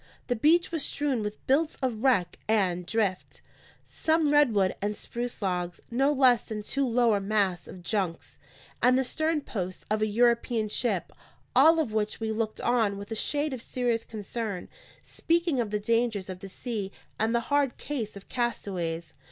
The beach was strewn with bits of wreck and drift: some redwood and spruce logs, no less than two lower masts of junks, and the stern post of a European ship; all of which we looked on with a shade of serious concern, speaking of the dangers of the sea and the hard case of castaways.